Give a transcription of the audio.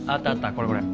これこれ！